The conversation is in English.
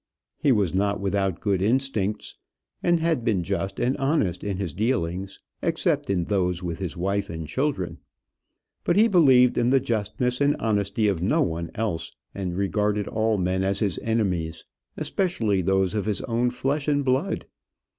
He was not without good instincts, and had been just and honest in his dealings except in those with his wife and children. But he believed in the justness and honesty of no one else, and regarded all men as his enemies especially those of his own flesh and blood.